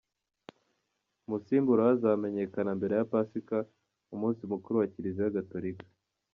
Umusimbura we azamenyekana mbere ya Pasika, umunsi mukuru wa Kiliziya Gatolika.